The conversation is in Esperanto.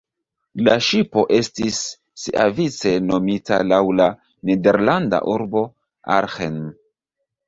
La ŝipo estis siavice nomita laŭ la nederlanda urbo Arnhem.